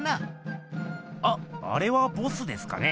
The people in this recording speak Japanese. あっあれはボスですかね？